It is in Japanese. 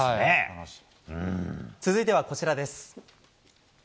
続いては、こちらです。